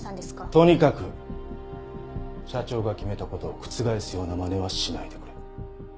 とにかく社長が決めた事を覆すようなまねはしないでくれ。